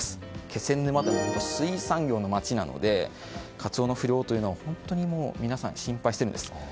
気仙沼というと水産業の街なのでカツオの不漁というのは皆さん、心配しているんです。